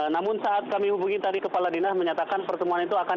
namun saat kami hubungi tadi kepala dinas menyatakan pertemuan itu akan